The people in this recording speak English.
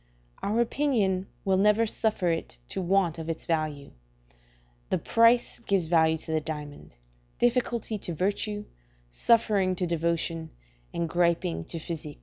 Our opinion will never suffer it to want of its value: the price gives value to the diamond; difficulty to virtue; suffering to devotion; and griping to physic.